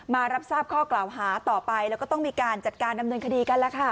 มารับทราบข้อกล่าวหาต่อไปแล้วก็ต้องมีการจัดการดำเนินคดีกันแล้วค่ะ